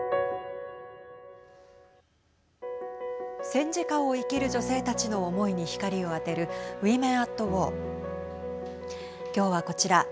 戦時下を生きる女性たちの思いに光を当てるＷｏｍｅｎ＠ｗａｒきょうはこちら。